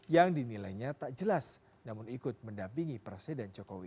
yang dinilainya tak jelas namun ikut mendampingi presiden jokowi